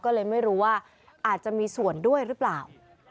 ก็เลยไม่รู้ว่าอาจจะมีส่วนด้วยหรือเปล่า